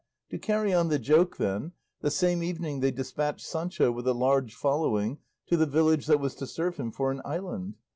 To carry on the joke, then, the same evening they despatched Sancho with a large following to the village that was to serve him for an island.